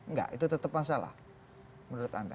enggak itu tetap masalah menurut anda